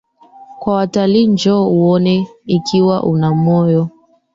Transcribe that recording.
kwa watalii Njoo uone Ikiwa una moyo